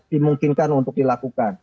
dimungkinkan untuk dilakukan